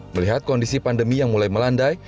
melihat kondisi pandemi yang mulai melandai